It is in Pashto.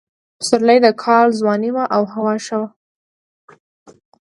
پسرلی د کال ځواني وه او هوا ښه وه.